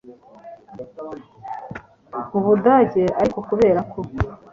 mu budage ariko kubera ko